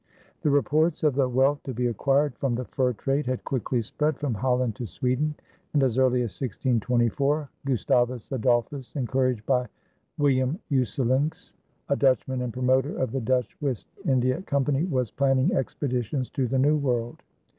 The reports of the wealth to be acquired from the fur trade had quickly spread from Holland to Sweden, and as early as 1624, Gustavus Adolphus, encouraged by William Usselinx, a Dutchman and promoter of the Dutch West India Company, was planning expeditions to the New World.